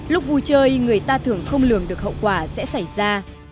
lúc vui chơi người ta thường không lường được hậu quả sẽ xảy ra